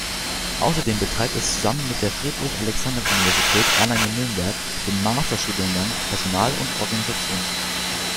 Außerdem betreibt es zusammen mit der Friedrich-Alexander-Universität Erlangen-Nürnberg den Master-Studiengang Personal und Organisation.